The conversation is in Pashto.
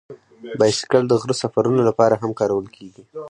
بایسکل د غره سفرونو لپاره هم کارول کېږي.